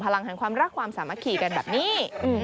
พลังแห่งความรักความสามัคคีกันแบบนี้